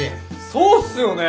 そうっすよね。